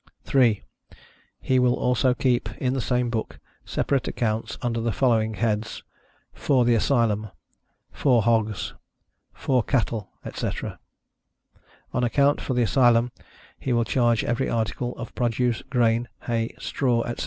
3. He will also keep, in the same book, separate accounts under the following headsâ€"FOR THE ASYLUM: FOR HOGS: FOR CATTLE, ETC. On account for the Asylum he will charge every article of produce, grain, hay, straw, etc.